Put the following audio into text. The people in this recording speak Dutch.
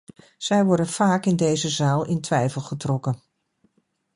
Zij worden vaak in deze zaal in twijfel getrokken.